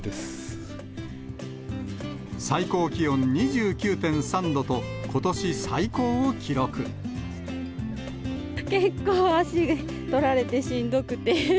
最高気温２９．３度と、結構足取られて、しんどくて。